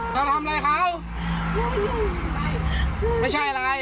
ไม่รู้จักใช่มั้ย